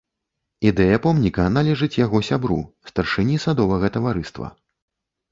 Ідэя помніка належыць яго сябру, старшыні садовага таварыства.